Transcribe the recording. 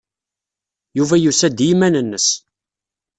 Yuba yusa-d i yiman-nnes.